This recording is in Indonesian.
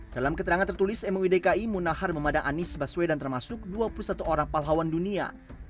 dalam keterangan tertulis muidki munahan memadang anies baswedan termasuk dua puluh satu orang palawan dunia